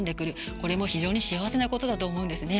これも非常に幸せなことだと思うんですね。